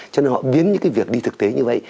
cho nên họ biến những cái việc đi thực tế như vậy